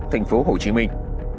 ở thành phố hồ chí minh